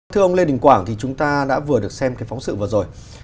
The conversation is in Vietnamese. thưa ông lê đình quảng thì chúng ta đã vừa được xem cái phóng sự vừa rồi